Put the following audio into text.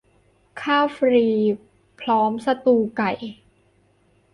ข้าวฟรีพร้อมสตูว์ไก่